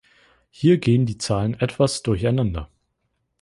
Hier gehen die Zahlen etwas durcheinander.